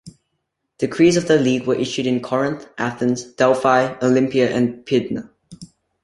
Decrees of the league were issued in Corinth, Athens, Delphi, Olympia and Pydna.